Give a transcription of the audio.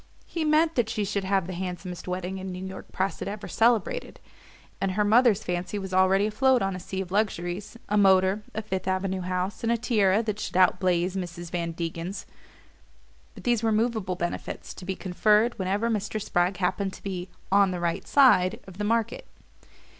He meant that she should have the "handsomest" wedding the New York press had ever celebrated, and her mother's fancy was already afloat on a sea of luxuries a motor, a Fifth Avenue house, and a tiara that should out blaze Mrs. Van Degen's; but these were movable benefits, to be conferred whenever Mr. Spragg happened to be "on the right side" of the market.